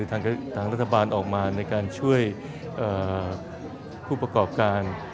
ทางรัฐบาลออกมาในการช่วยผู้ประกอบการ